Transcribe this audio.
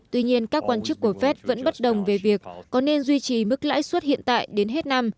tuy nhiên các quan chức của fed vẫn bất đồng về việc có nên duy trì mức lãi suất hiện tại đến hết năm